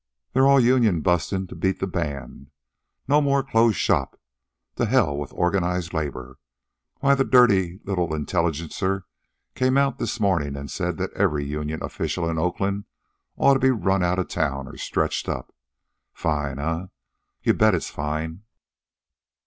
They're all union bustin' to beat the band. No more closed shop. To hell with organized labor. Why, the dirty little Intelligencer come out this morning an' said that every union official in Oakland ought to be run outa town or stretched up. Fine, eh? You bet it's fine.